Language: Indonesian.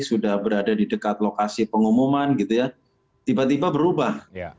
sudah berada di dekat lokasi pengumuman tiba tiba berubah